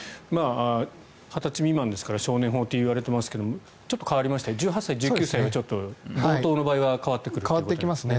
２０歳未満ですから少年法といわれていますが変わりまして１８歳と１９歳は強盗の場合は変わってきますね。